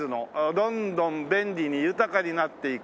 「どんどん便利に豊かになっていく」